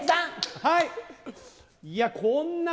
はい。